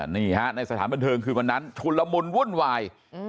นี่ฮะในสถานบันเทิงคือวันนั้นชุนละมุนวุ่นวาย